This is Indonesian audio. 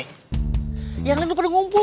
eh yang lain pada ngumpul